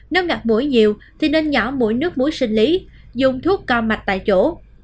nếu ngặt mũi nhiều thì nên nhỏ mũi nước muối sinh lý dùng thuốc co mạch tại chỗ